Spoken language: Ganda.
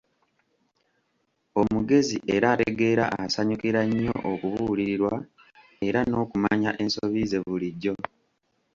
Omugezi era ategeera asanyukira nnyo okubuulirirwa era n'okumanya ensobi ze bulijjo.